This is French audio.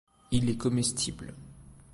Il est comestible.